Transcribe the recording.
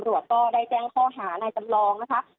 สันบัติสรรวจก็ได้แจ้งข้อหานายจำลองนะคะ